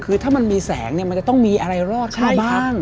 คือถ้ามันมีแสงเนี่ยมันจะต้องมีอะไรรอดเข้าบ้าง